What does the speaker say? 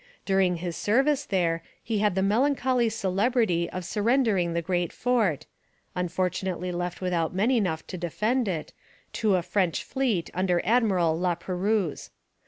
During his service there he had the melancholy celebrity of surrendering the great fort (unfortunately left without men enough to defend it) to a French fleet under Admiral La Pérouse.